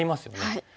はい。